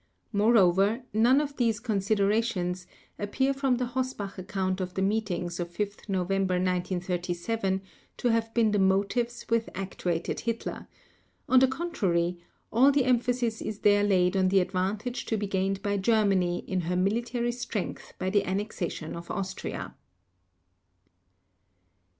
Moreover, none of these considerations appear from the Hossbach account of the meetings of 5 November 1937 to have been the motives which actuated Hitler; on the contrary, all the emphasis is there laid on the advantage to be gained by Germany in her military strength by the annexation of Austria.